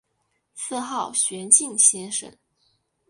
自号玄静先生。